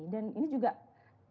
dan ini juga sangat penting